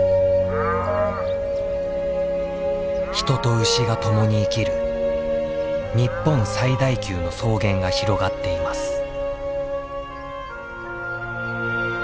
人と牛が共に生きる日本最大級の草原が広がっています。